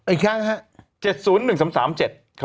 อีกครั้งครับ